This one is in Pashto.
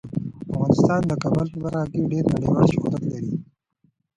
افغانستان د کابل په برخه کې ډیر نړیوال شهرت لري.